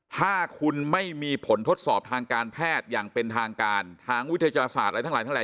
ถ้าคุณไม่มีผลทดสอบทางการแพทย์อย่างเป็นทางการทางวิทยาศาสตร์อะไรทั้งหลายเท่าไ